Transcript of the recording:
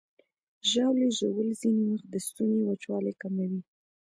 ژاوله ژوول ځینې وخت د ستوني وچوالی کموي.